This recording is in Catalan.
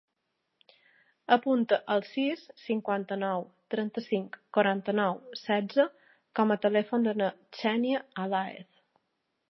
Apunta el sis, cinquanta-nou, trenta-cinc, quaranta-nou, setze com a telèfon de la Xènia Alaez.